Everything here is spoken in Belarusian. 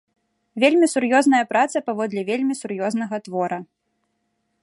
Вельмі сур'ёзная праца паводле вельмі сур'ёзнага твора.